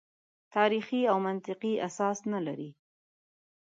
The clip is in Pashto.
تاریخي او منطقي اساس نه لري.